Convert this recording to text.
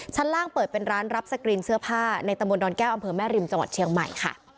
ชั้นล่างเปิดเป็นร้านรับสกรีนเสื้อผ้าในตำบลดอนแก้วอำเภอแม่ริมจังหวัดเชียงใหม่ค่ะ